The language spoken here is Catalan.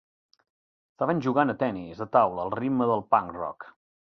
Estaven jugant a tennis de taula al ritme del punk rock.